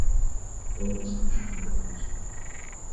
Он исключительно вкусный.